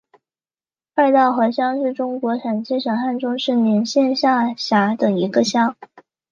二道河乡是中国陕西省汉中市勉县下辖的一个乡。